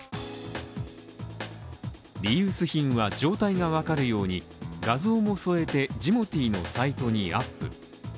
リユース品は状態がわかるように、画像も添えて、ジモティーのサイトにアップ。